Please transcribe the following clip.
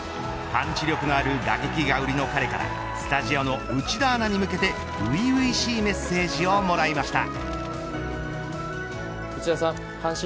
パンチ力のある打撃が売りの彼からスタジオの内田アナに向けて初々しいメッセージをもらいました。